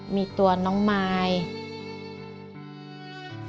มีตัวน้องไมค์